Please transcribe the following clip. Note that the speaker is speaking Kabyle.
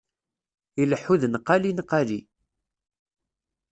Ileḥḥu d nnqali nnqali.